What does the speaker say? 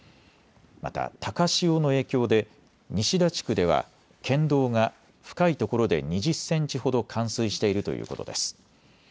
また高潮の影響で西田地区では県道が深いところで２０センチほど冠水しているということです。